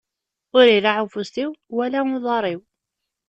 Ur iraɛ ufus-iw, wala uḍaṛ-iw.